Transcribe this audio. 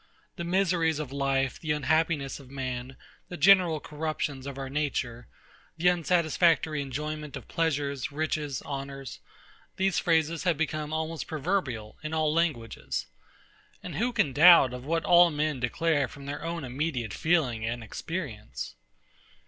The miseries of life; the unhappiness of man; the general corruptions of our nature; the unsatisfactory enjoyment of pleasures, riches, honours; these phrases have become almost proverbial in all languages. And who can doubt of what all men declare from their own immediate feeling and experience?